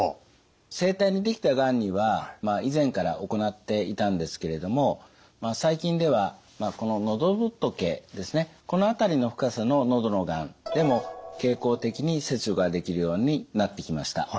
声帯にできたがんには以前から行っていたんですけれども最近ではこの喉仏ですねこの辺りの深さの喉のがんでも経口的に切除ができるようになってきました。